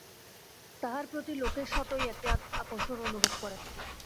তাঁহার প্রতি লোকে স্বতই একটি আকর্ষণ অনুভব করে।